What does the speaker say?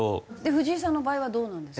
藤井さんの場合はどうなんですか？